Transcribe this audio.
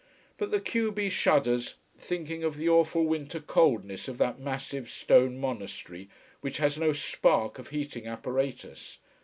But the q b shudders, thinking of the awful winter coldness of that massive stone monastery, which has no spark of heating apparatus.